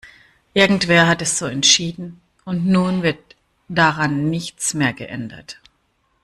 Irgendwer hat es so entschieden, und nun wird daran nichts mehr geändert.